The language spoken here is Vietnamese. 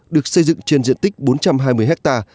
được xây dựng trên diện tích bốn trăm hai mươi ha